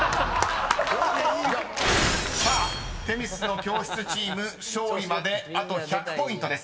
［さあ女神の教室チーム勝利まであと１００ポイントです］